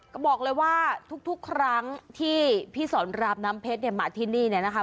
ก็บอกเลยว่าทุกครั้งที่พี่สอนรามน้ำเพชรเนี่ยมาที่นี่เนี่ยนะคะ